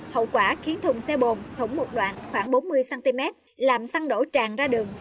hậu quả khiến thùng xe bồn thống một đoạn khoảng bốn mươi cm làm xăng đổ tràn ra đường